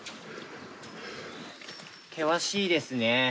険しいですね。